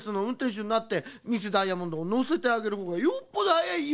しゅになってミス・ダイヤモンドをのせてあげるほうがよっぽどはやいよ。